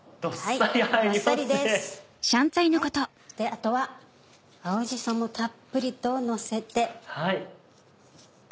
あとは青じそもたっぷりとのせて。